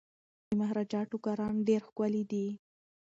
د مهاراجا ټوکران ډیر ښکلي دي.